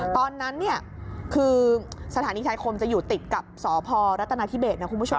ตอนนั้นเนี่ยคือสถานีชายคมจะอยู่ติดกับสพรัฐนาธิเบสนะคุณผู้ชม